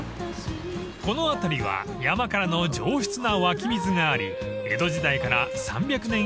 ［この辺りは山からの上質な湧き水があり江戸時代から３００年